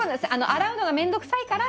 洗うのが面倒くさいから。